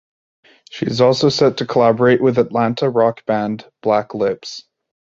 She is also set to collaborate with Atlanta rock band Black Lips.